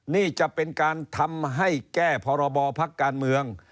นี่จะเป็นการทำให้แก้พรบพักการเมือง